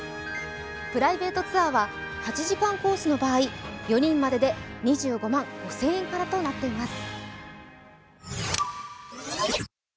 プライベートツアーは８時間コースの場合、４人までで２５万５０００円からとなっています。